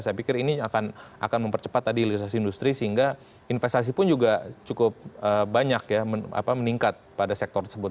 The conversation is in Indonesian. saya pikir ini akan mempercepat tadi hilirisasi industri sehingga investasi pun juga cukup banyak ya meningkat pada sektor tersebut